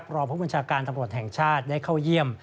รองผู้บัญชาการตำรวจแห่งชาติได้เข้าเยี่ยม